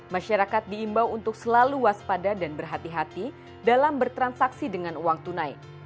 masyarakat diimbau untuk selalu waspada dan berhati hati dalam bertransaksi dengan uang tunai